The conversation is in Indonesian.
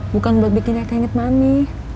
bukan buat bikin kita inget mami